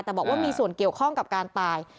แต่บอกว่ามีส่วนเกี่ยวข้องกับการตาย